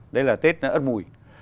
đấy là tết ất mùi